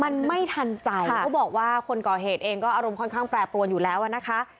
มันไม่ทันใจเขาบอกว่าคนก่อเหตุเองก็อารมณ์ค่อนข้างแปรปรวนอยู่แล้วอ่ะนะคะ